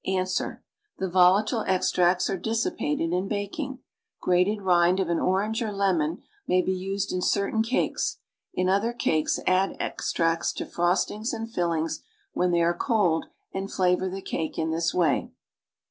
Ans. The volatile extracts are dissipated in baking. (Jrated rind of an orange or lemon may be used in certain cakes; in other cakes add extracts to f rostings and fillings when they are cold and flavor the cake in this way.